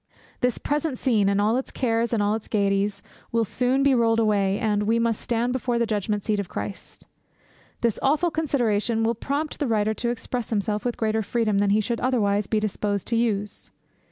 This present scene, and all its cares and all its gaieties, will soon be rolled away, and "we must stand before the judgment seat of Christ." This awful consideration will prompt the writer to express himself with greater freedom than he should otherwise be disposed to use.